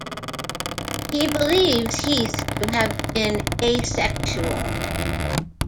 He believes Heath to have been asexual.